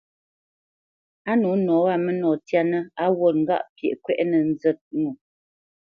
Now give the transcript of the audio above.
Á nǒ nɔ wâ mə́nɔ tyanə̄ á wǔt ŋgâʼ pyeʼ kwɛ́ʼnə nzə̂t ŋo.